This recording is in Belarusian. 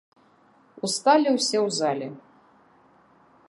Усталі ўсе ў зале.